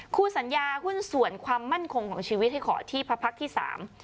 คู่สัญญาหุ้นส่วนความมั่นคงของชีวิตให้ขอที่พักที่สาม